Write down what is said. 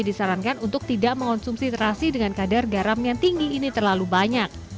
disarankan untuk tidak mengonsumsi terasi dengan kadar garam yang tinggi ini terlalu banyak